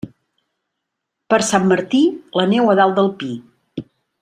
Per Sant Martí, la neu a dalt del pi.